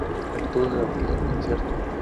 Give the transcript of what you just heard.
El resultado de la batalla fue incierto.